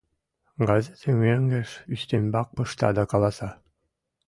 Газетым мӧҥгеш ӱстембак пышта да каласа: